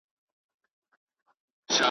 اسمان او مځکه نیولي واوري .